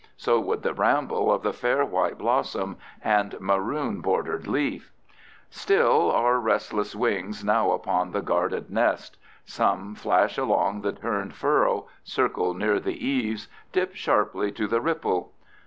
So would the bramble of the fair white blossom and maroon bordered leaf. Still are restless wings now upon the guarded nest. Some flash along the turned furrow, circle near the eaves, dip sharply to the ripple.